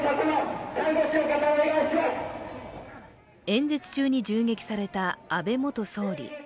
演説中に銃撃された安倍元総理。